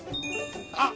あっ！